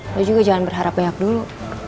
saya juga jangan berharap banyak dulu